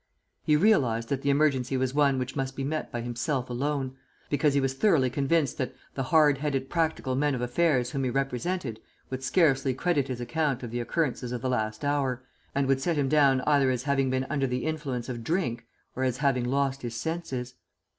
He realized that the emergency was one which must be met by himself alone, because he was thoroughly convinced that the hard headed practical men of affairs whom he represented would scarcely credit his account of the occurrences of the last hour, and would set him down either as having been under the influence of drink or as having lost his senses.